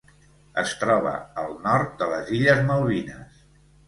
Es troba al nord de les Illes Malvines.